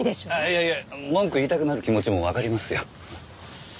いやいや文句言いたくなる気持ちもわかりますよ。